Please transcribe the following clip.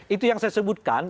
itu yang saya sebutkan